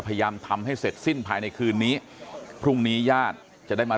พยายามทำให้เสร็จสิ้นภายในคืนนี้พรุ่งนี้ญาติจะได้มา